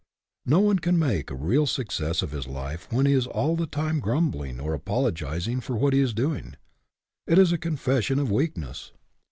No one can make a real success of his life when he is all the time grumbling or apologizing for what he is doing. It is a confession of weakness.